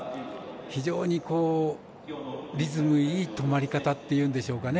非常にリズムいい止まり方っていうんでしょうかね。